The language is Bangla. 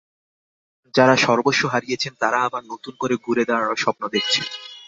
যাঁরা সর্বস্ব হারিয়েছেন তাঁরা আবার নতুন করে ঘুরে দাঁড়ানোর স্বপ্ন দেখছেন।